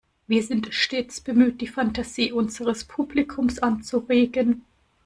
Wir sind stets bemüht, die Fantasie unseres Publikums anzuregen.